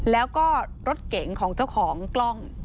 แล้วก็รถเก๋งของเจ้าของกล้อง